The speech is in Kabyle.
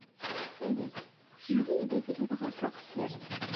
Ttxil-k, mel-iyi abrid ɣer teɣsert.